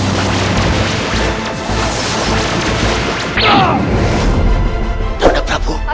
tidak ada apa apa